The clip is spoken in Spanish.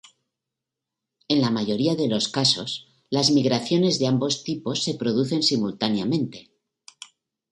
En la mayoría de los casos, las migraciones de ambos tipos se producen simultáneamente.